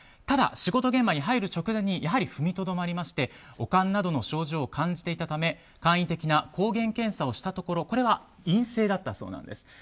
ただ、仕事現場に入る直前にやはり踏みとどまりまして悪寒などの症状を感じていたため簡易的な抗原検査をしたところこれは陰性だったそうです。